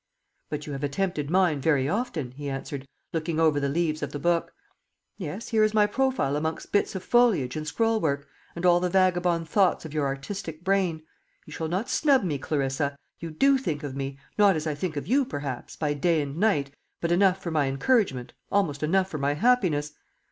"But you have attempted mine very often," he answered, looking over the leaves of the book. "Yes, here is my profile amongst bits of foliage, and scroll work, and all the vagabond thoughts of your artistic brain. You shall not snub me, Clarissa. You do think of me not as I think of you, perhaps, by day and night, but enough for my encouragement, almost enough for my happiness.